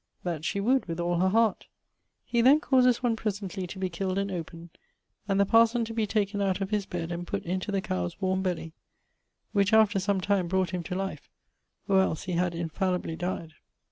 That she would, with all her heart. He then causes one presently to be killed and opened, and the parson[XXXV.] to be taken out of his bed and putt into the cowes warme belly, which after some time brought him to life, or els he had infallibly dyed.